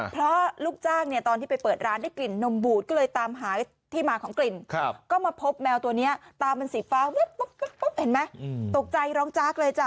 เพราะลูกจ้างเนี่ยตอนที่ไปเปิดร้านได้กลิ่นนมบูดก็เลยตามหาที่มาของกลิ่นก็มาพบแมวตัวนี้ตามันสีฟ้ามืดปุ๊บเห็นไหมตกใจร้องจากเลยจ้ะ